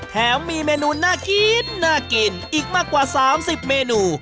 แถมมีเมนูน่ากินน่ากินอีกมากกว่า๓๐เมนู